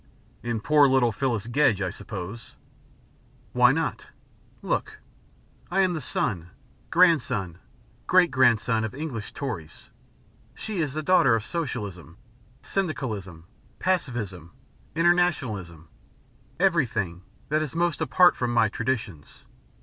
"In poor little Phyllis Gedge, I suppose?" "Why not? Look. I am the son, grandson, great grandson, of English Tories. She is the daughter of socialism, syndicalism, pacifism, internationalism everything that is most apart from my traditions.